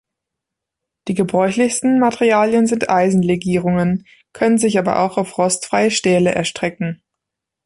Die gebräuchlichsten Materialien sind Eisenlegierungen, können sich aber auch auf rostfreie Stähle erstrecken.